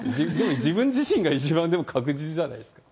自分自身が一番でも確実じゃないですか。